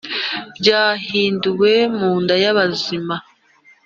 byahinduwe munda yabazima.